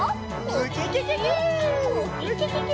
ウキキキ！